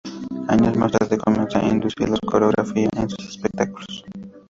Años más tarde, comienza a introducir la coreografía en sus espectáculos.